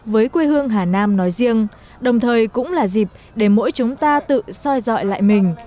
với quê hương hà nam nói riêng đồng thời cũng là dịp để mỗi chúng ta tự soi dọi lại mình